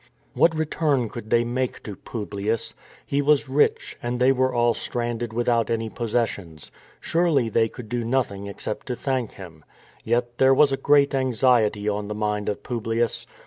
What return could they make to Publius ? He was rich, and they were all stranded without any posses sions. Surely they could do nothing except to thank him. Yet there was a great anxiety on the mind of Publius.